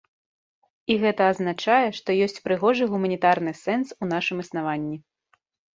І гэта азначае, што ёсць прыгожы гуманітарны сэнс у нашым існаванні.